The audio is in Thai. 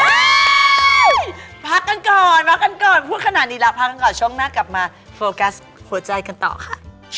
พักกันก่อนพักกันก่อนพูดขนาดนี้แล้วพักกันก่อนช่วงหน้ากลับมาโฟกัสหัวใจกันต่อค่ะ